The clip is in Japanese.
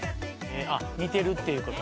似てるっていうこと？